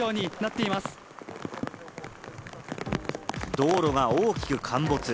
道路が大きく陥没。